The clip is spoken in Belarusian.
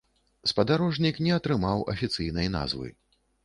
Спадарожнік не атрымаў афіцыйнай назвы.